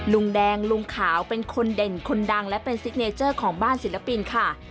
ลุงแดงลุงขาวเป็นคนเด่นคนดังและเป็นซิกเนเจอร์ของบ้านศิลปินค่ะ